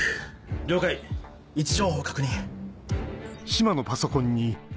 了解位置情報を確認。